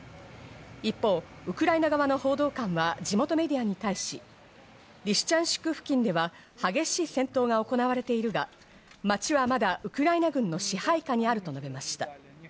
一方ウクライナ側の報道官は、地元メディアに対し、リシチャンシク付近では激しい戦闘が行われているが、街はまだウクライナ軍の支配下にあると述べました。